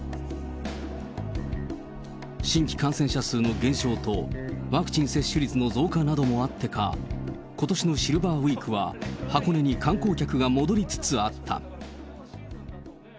新規感染者数の減少と、ワクチン接種率の増加などもあってか、ことしのシルバーウイークは、箱根に観光客が戻りつつあった。